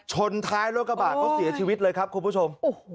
ชนท้ายโลกบาทก็เสียชีวิตเลยครับคุณผู้ชม